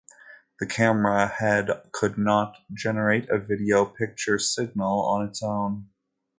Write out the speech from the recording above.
The camera head could not generate a video picture signal on its own.